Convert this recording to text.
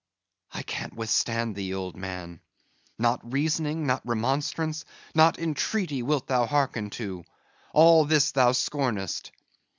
I can't withstand thee, then, old man. Not reasoning; not remonstrance; not entreaty wilt thou hearken to; all this thou scornest.